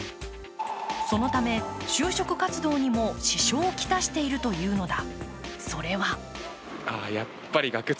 そのため、就職活動にも支障を来しているというのだ。